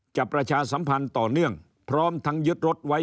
ประชาสัมพันธ์ต่อเนื่องพร้อมทั้งยึดรถไว้